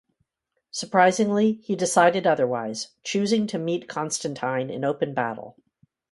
Surprisingly, he decided otherwise, choosing to meet Constantine in open battle.